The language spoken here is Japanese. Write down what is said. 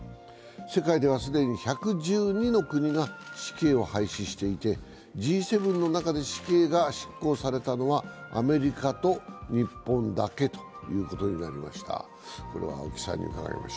世界では既に１１２の国が死刑を廃止していてＧ７の中で死刑が執行されたのはアメリカと日本だけということになりました。